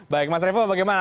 baik mas revo bagaimana